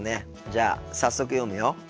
じゃあ早速読むよ。